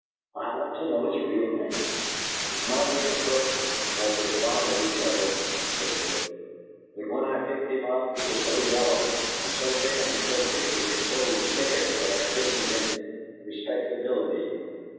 I want to know his real name." "It's mighty inappropriate, because we're fond of each other," said Joe, "but when I picked him up he was so yellow, and so thin, and so creeping, and so scared that I christened him 'Respectability.'"